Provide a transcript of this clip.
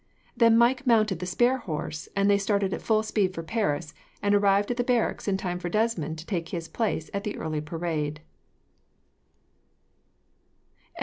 Then Mike mounted the spare horse, and they started at full speed for Paris, and arrived at the barracks in time for Desmond to take his place at the early parade.